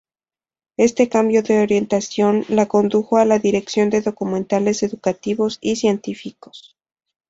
Este cambio de orientación la condujo a la dirección de documentales educativos y científicos.